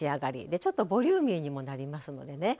でちょっとボリューミーにもなりますのでね。